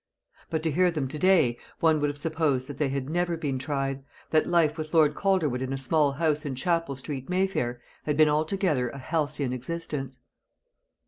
But to hear them to day one would have supposed that they had never been tried; that life with Lord Calderwood in a small house in Chapel street, Mayfair, had been altogether a halcyon existence.